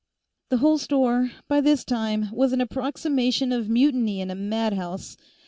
The whole store, by this time, was an approximation of Mutiny in a Madhouse.